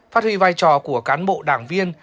phát huy vai trò của cán bộ đảng viên